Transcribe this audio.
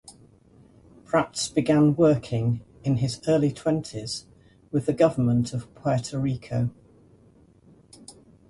Prats began working in his early twenties with the Government of Puerto Rico.